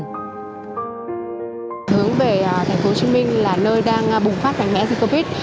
hướng về thành phố hồ chí minh là nơi đang bùng phát mạnh mẽ dịch covid